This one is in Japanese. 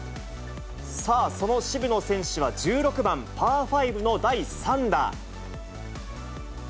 さあ、その渋野選手は１６番パー５の第３打。